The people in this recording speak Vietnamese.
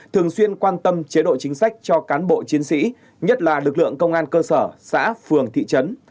thường xuyên quan tâm chế độ chính sách cho cán bộ chiến sĩ nhất là lực lượng công an cơ sở xã phường thị trấn